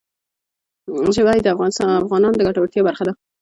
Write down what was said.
ژمی د افغانانو د ګټورتیا برخه ده.